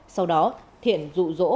sau đó thiện rủi ro